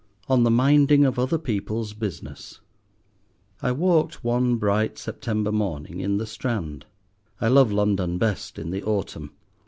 ON THE MINDING OF OTHER PEOPLE'S BUSINESS I WALKED one bright September morning in the Strand. I love London best in the autumn.